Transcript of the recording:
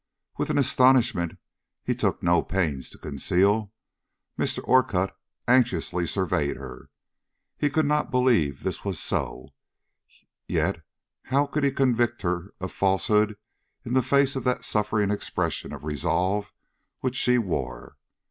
With an astonishment he took no pains to conceal, Mr. Orcutt anxiously surveyed her. He could not believe this was so, yet how could he convict her of falsehood in face of that suffering expression of resolve which she wore.